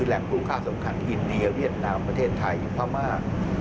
แหล่งคู่ค่าสำคัญอินเดียเวียดนามประเทศไทยพม่า